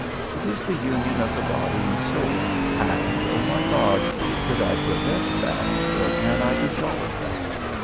It is the union of the body and soul, and, O my God, could I prevent that, or can I dissolve that?